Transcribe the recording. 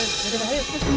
om anterin kebetulan